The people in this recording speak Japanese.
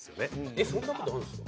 えっそんな事あるんですか？